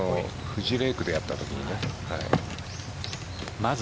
フジレイクでやったときにね。